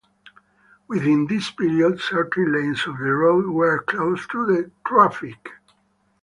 Within this period, certain lanes of the road were closed to the traffic.